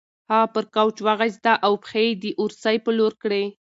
هغه پر کوچ وغځېده او پښې یې د اورسۍ په لور کړې.